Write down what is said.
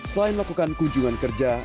selain melakukan kunjungan kerja